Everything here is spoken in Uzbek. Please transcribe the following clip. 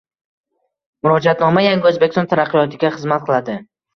Murojaatnoma – yangi O‘zbekiston taraqqiyotiga xizmat qiladi